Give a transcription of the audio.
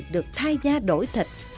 được thay gia đổi thịt